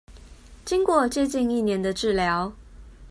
經過接近一年的治療